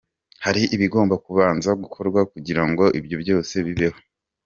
Hari ibigomba kubanza gukorwa kugira ngo ibyo byose bibeho.